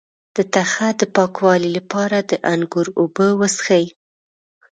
د تخه د پاکوالي لپاره د انګور اوبه وڅښئ